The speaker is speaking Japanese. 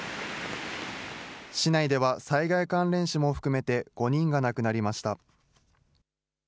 市内では災害関連死も含めて５人が亡くなりました。